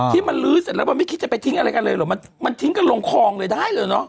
ที่มันลื้อเสร็จแล้วมันไม่คิดจะไปทิ้งอะไรกันเลยเหรอมันมันทิ้งกันลงคลองเลยได้เลยเนอะ